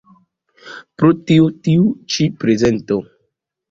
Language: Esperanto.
Pro tio tiu ĉi prezento.